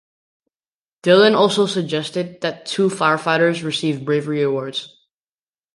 Dillon also suggested that two fire-fighters receive bravery awards.